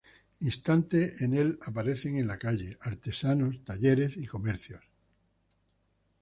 Instante en el aparecen en la calle, artesanos, talleres y comercios.